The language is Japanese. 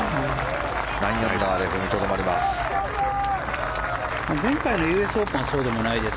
９アンダーで踏みとどまります。